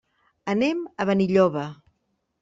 Anem a Benilloba.